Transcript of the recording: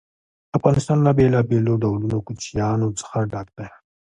افغانستان له بېلابېلو ډولونو کوچیانو څخه ډک دی.